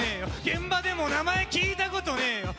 現場でも名前聞いたことねえよ